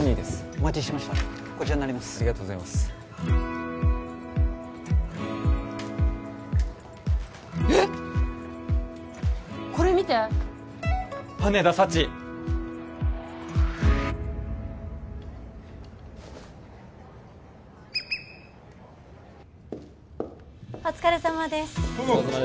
お疲れさまです